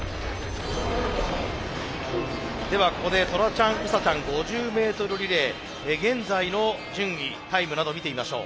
ではここでトラちゃんウサちゃん５０ｍリレー現在の順位タイムなど見てみましょう。